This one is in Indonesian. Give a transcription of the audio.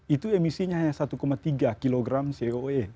itu emisinya hanya satu tiga kg co dua e